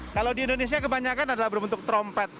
kalau di indonesia kebanyakan adalah berbentuk trompet